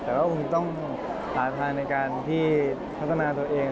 แต่ก็คงต้องหาทางในการที่พัฒนาตัวเอง